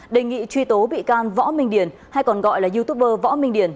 đề nghị truy tố bị can võ minh điền hay còn gọi là youtuber võ minh điền